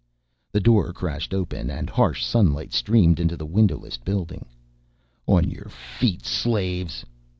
The door crashed open and harsh sunlight streamed into the windowless building. "On your feet slaves!"